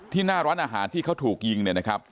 หน้าร้านอาหารที่เขาถูกยิงเนี่ยนะครับ